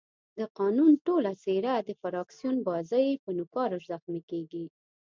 د قانون ټوله څېره د فراکسیون بازۍ په نوکارو زخمي کېږي.